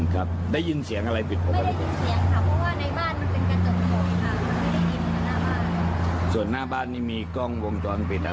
คันที่โดนใช่ไหมใช่ค่ะหลายเคสค่ะประมาณ๔๕เคสได้